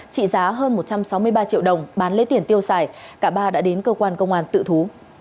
một trăm sáu mươi ba triệu đồng bán lấy tiền tiêu xài cả ba đã đến cơ quan công an tự thú